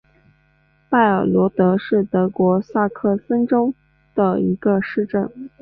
拜尔罗德是德国萨克森州的一个市镇。